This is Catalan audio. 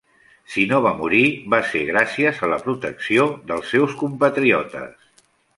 Si no va morir, va ser gràcies a la protecció dels seus compatriotes.